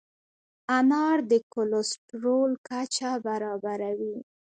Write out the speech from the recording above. انار د کولیسټرول کچه برابروي.